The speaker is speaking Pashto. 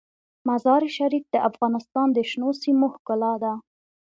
مزارشریف د افغانستان د شنو سیمو ښکلا ده.